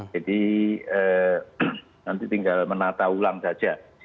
jadi nanti tinggal menata ulang saja